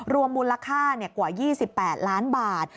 รวมมูลค่ากว่า๒๘ล้านบาท